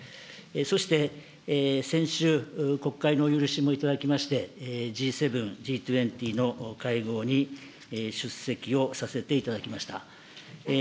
そして先週、国会のお許しもいただきまして、Ｇ７、Ｇ２０の会合に出席をさせていただきました。